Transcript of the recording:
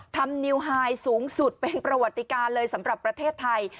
นิวไฮสูงสุดเป็นประวัติการเลยสำหรับประเทศไทย